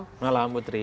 selamat malam putri